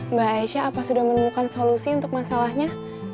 mbak aisyah apa sudah menemukan solusi untuk masalahnya